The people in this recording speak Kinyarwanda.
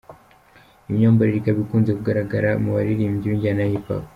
Iyi myambarire ikaba ikunze kugaragara mu baririmbyi b’injyana ya Hiphop.